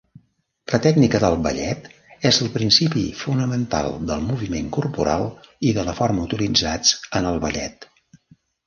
La tècnica del ballet és el principi fonamental del moviment corporal i de la forma utilitzats en el ballet.